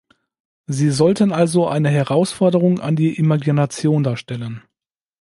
Sie sollten also eine Herausforderung an die Imagination darstellen.